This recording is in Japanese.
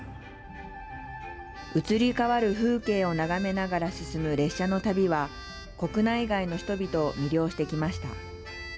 移り変わる風景を眺めながら進む列車の旅は、国内外の人々を魅了してきました。